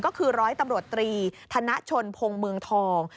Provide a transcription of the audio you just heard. ก็คือร้อยตำรวจตรีธนชนพงศ์เมืองทอง